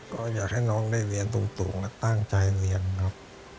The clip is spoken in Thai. ก็อยากให้น้องได้เรียนตรงและตั้งใจเรียนครับ